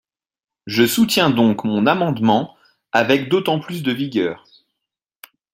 Je soutiens donc mon amendement avec d’autant plus de vigueur.